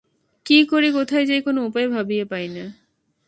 কি করি কোথায় যাই কোন উপায় ভাবিয়া পাই না।